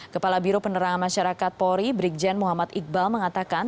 kepala biro penerangan masyarakat polri brigjen muhammad iqbal mengatakan